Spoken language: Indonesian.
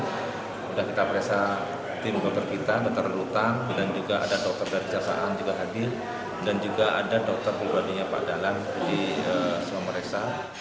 sudah kita periksa tim dokter kita dokter rutan dan juga ada dokter dari jasaan juga hadir dan juga ada dokter pribadinya pak dalan jadi memeriksa